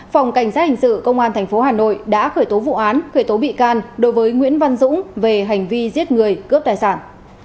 phòng cảnh sát hình sự công an tp hà nội đã khởi tố vụ án khởi tố bị can đối với nguyễn văn dũng về hành vi giết người cướp tài sản